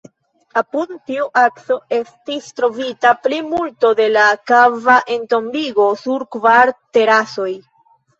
Apud tiu akso estis trovita plimulto de la kava entombigo, sur kvar terasoj.